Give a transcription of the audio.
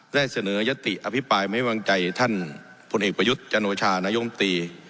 ได้เสนอยติอภิปรายไม่วางใจท่านผลเอกประยุทธ์จันโอชานายมตรี